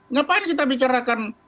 ngapain kita bicarakan